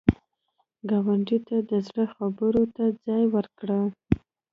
ګاونډي ته د زړه خبرو ته ځای ورکړه